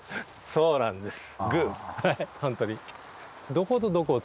そうなんです。